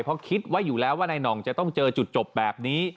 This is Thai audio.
เพราะคิดไว้อยู่แล้วว่านายหน่องจะต้องเจอจุดจบแบบนี้